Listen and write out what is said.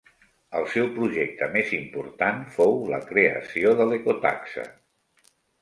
El seu projecte més important fou la creació de l'Ecotaxa.